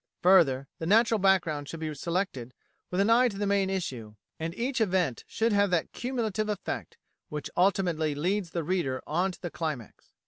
Further, the natural background should be selected with an eye to the main issue, and each event should have that cumulative effect which ultimately leads the reader on to the climax.